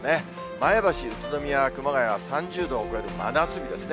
前橋、宇都宮、熊谷は３０度を超える真夏日ですね。